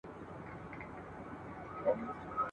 څو مکتبونه لا مدرسې وي ..